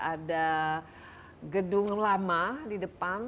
ada gedung lama di depan